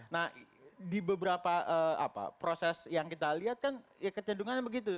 nah di beberapa proses yang kita lihat kan ya kecenderungannya begitu